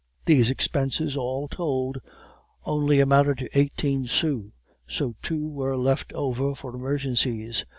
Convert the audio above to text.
These expenses, all told, only amounted to eighteen sous, so two were left over for emergencies.